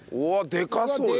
でかそうよ。